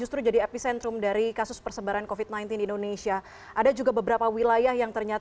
sehingga kasus sembuh yang kita dapatkan pada hari ini adalah sebanyak lima ratus lima puluh satu orang